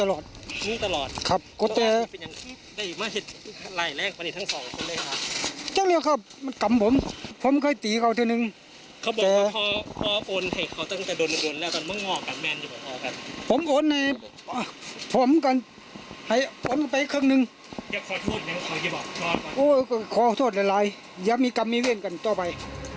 โอ้โหขอโทษหลายอย่ามีกรรมมีเวียนกันต่อไป